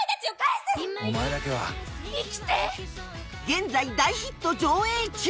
現在大ヒット上映中！